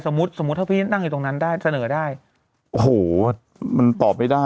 สมมุติสมมุติถ้าพี่นั่งอยู่ตรงนั้นได้เสนอได้โอ้โหมันตอบไม่ได้